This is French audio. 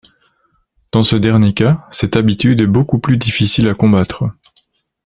Dans ce dernier cas, cette habitude est beaucoup plus difficile à combattre.